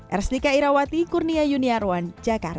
erstika irawati kurnia yuniarwan jakarta